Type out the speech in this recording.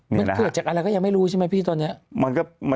มันเกิดจากอะไรก็ยังไม่รู้ใช่ไหมพี่ตอนนี้